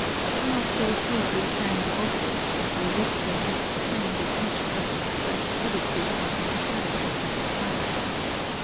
Not so sweetly sang the gossips, as they whispered and exclaimed at each other's fresh oddity or extravagance of attire.